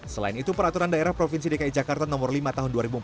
selain itu peraturan daerah provinsi dki jakarta nomor lima tahun dua ribu empat belas